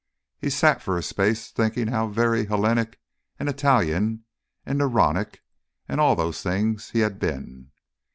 He sat for a space thinking how very Hellenic and Italian and Neronic, and all those things, he had been.